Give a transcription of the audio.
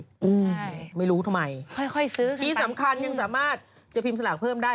ใช่ค่อยซื้อขึ้นไปพี่สำคัญยังสามารถจะพิมพ์สนับเพิ่มได้